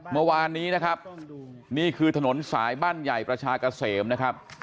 เมื่อวานนี้นะครับนี่คือถนนสายบ้านใหญ่ประชากะเสมนะครับ